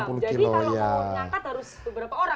jadi kalau mau ngangkat harus beberapa orang